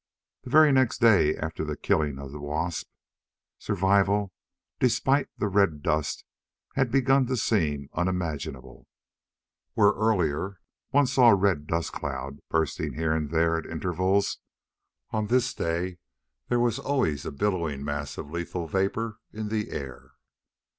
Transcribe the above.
The very next day after the killing of the wasp, survival despite the red dust had begun to seem unimaginable. Where, earlier, one saw a red dust cloud bursting here and there at intervals, on this day there was always a billowing mass of lethal vapor in the air.